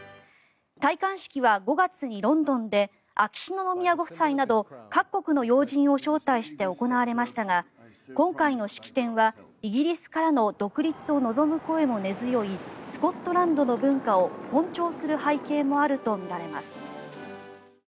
戴冠式は５月にロンドンで秋篠宮ご夫妻など各国の要人を招待して行われましたが今回の式典はイギリスからの独立を望む声も根強いスコットランドの文化を尊重する背景もあるとみられます。